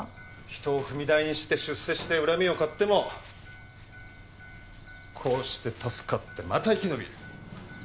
人を踏み台にして出世して恨みを買ってもこうして助かってまた生き延びる。